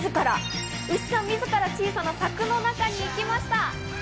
牛さん自ら小さな柵の中に行きました。